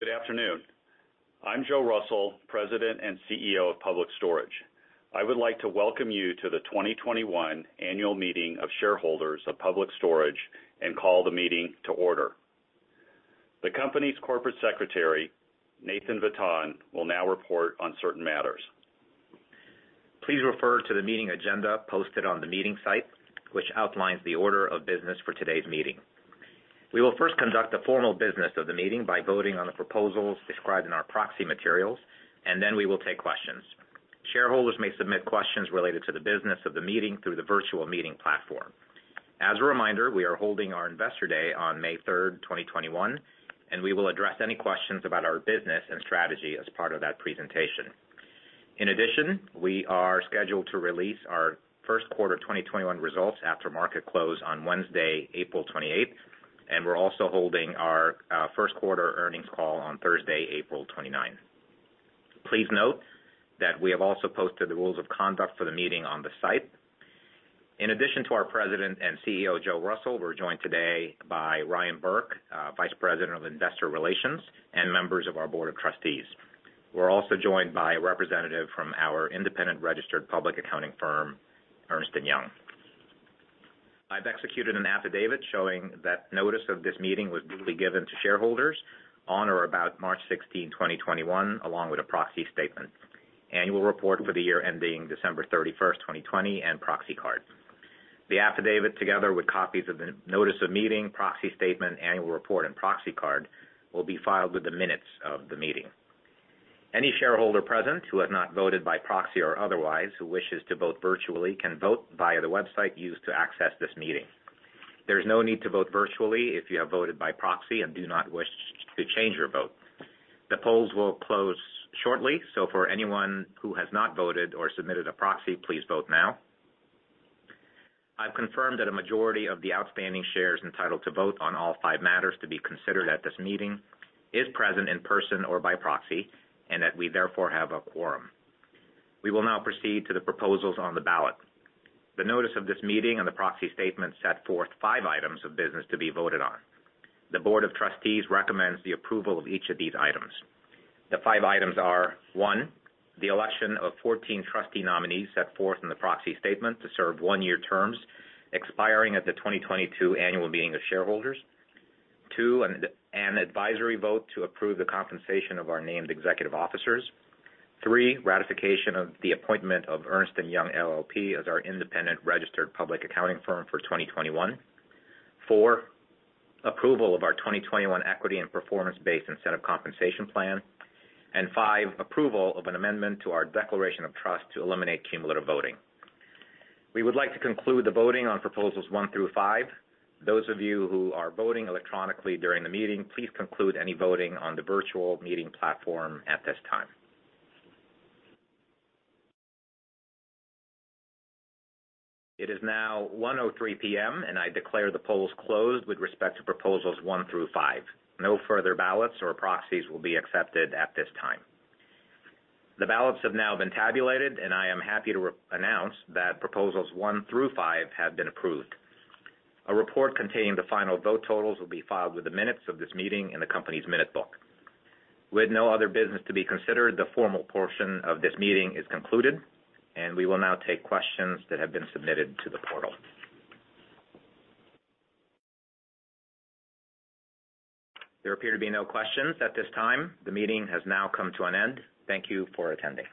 Good afternoon. I'm Joe Russell, President and CEO of Public Storage. I would like to welcome you to the 2021 Annual Meeting of Shareholders of Public Storage and call the meeting to order. The company's Corporate Secretary, Nathan Vitan, will now report on certain matters. Please refer to the meeting agenda posted on the meeting site, which outlines the order of business for today's meeting. We will first conduct the formal business of the meeting by voting on the proposals described in our proxy materials, and then we will take questions. Shareholders may submit questions related to the business of the meeting through the virtual meeting platform. As a reminder, we are holding our Investor Day on May 3rd, 2021, and we will address any questions about our business and strategy as part of that presentation. In addition, we are scheduled to release our first quarter 2021 results after market close on Wednesday, April 28, and we're also holding our first quarter earnings call on Thursday, April 29. Please note that we have also posted the rules of conduct for the meeting on the site. In addition to our President and CEO, Joe Russell, we're joined today by Ryan Burke, Vice President of Investor Relations, and members of our Board of Trustees. We're also joined by a representative from our independent registered public accounting firm, Ernst & Young LLP. I've executed an affidavit showing that notice of this meeting was duly given to shareholders on or about March 16, 2021, along with a proxy statement, annual report for the year ending December 31st, 2020, and proxy card. The affidavit, together with copies of the notice of meeting, proxy statement, annual report, and proxy card, will be filed with the minutes of the meeting. Any shareholder present who has not voted by proxy or otherwise, who wishes to vote virtually, can vote via the website used to access this meeting. There is no need to vote virtually if you have voted by proxy and do not wish to change your vote. The polls will close shortly, so for anyone who has not voted or submitted a proxy, please vote now. I've confirmed that a majority of the outstanding shares entitled to vote on all five matters to be considered at this meeting is present in person or by proxy, and that we therefore have a quorum. We will now proceed to the proposals on the ballot. The notice of this meeting and the proxy statement set forth five items of business to be voted on. The Board of Trustees recommends the approval of each of these items. The five items are: one, the election of 14 trustee nominees set forth in the proxy statement to serve one-year terms, expiring at the 2022 Annual Meeting of Shareholders. Two, an advisory vote to approve the compensation of our named executive officers. Three, ratification of the appointment of Ernst & Young LLP as our independent registered public accounting firm for 2021. Four, approval of our 2021 equity and performance-based incentive compensation plan. And five, approval of an amendment to our declaration of trust to eliminate cumulative voting. We would like to conclude the voting on proposals one through five. Those of you who are voting electronically during the meeting, please conclude any voting on the virtual meeting platform at this time. It is now 1:03 P.M., and I declare the polls closed with respect to proposals one through five. No further ballots or proxies will be accepted at this time. The ballots have now been tabulated, and I am happy to announce that proposals one through five have been approved. A report containing the final vote totals will be filed with the minutes of this meeting in the company's minute book. With no other business to be considered, the formal portion of this meeting is concluded, and we will now take questions that have been submitted to the portal. There appear to be no questions at this time. The meeting has now come to an end. Thank you for attending.